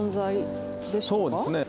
そうですね